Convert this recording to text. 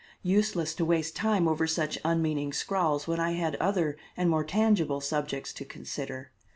Useless to waste time over such unmeaning scrawls when I had other and more tangible subjects to consider.